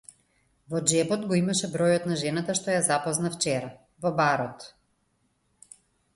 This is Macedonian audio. Во џебот го имаше бројот на жената што ја запозна вчера, во барот.